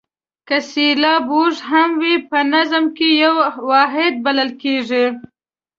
که سېلاب اوږد هم وي په نظم کې یو واحد بلل کیږي.